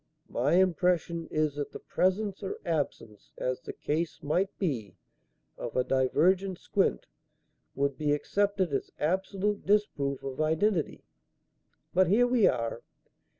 My impression is that the presence or absence, as the case might be, of a divergent squint would be accepted as absolute disproof of identity. But here we are."